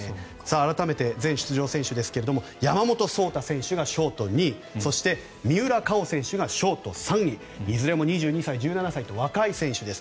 改めて全出場選手ですが山本草太選手がショート２位そして、三浦佳生選手がショート３位いずれも２２歳、１７歳と若い選手です。